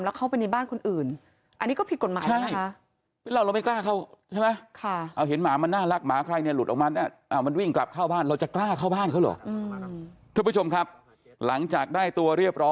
แล้วเข้าไปในบ้านคนอื่นอันนี้ก็ผิดกฎหมายใช่ไหมคะ